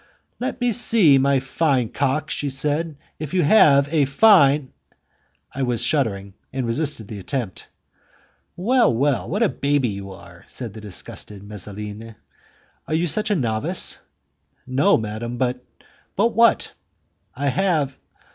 "Let me see, my fine cock," she said, "if you have a fine ..." I was shuddering, and resisted the attempt. "Well, well! What a baby you are!" said the disgusting Messaline; "are you such a novice?" "No, madam; but...." "But what?" "I have...."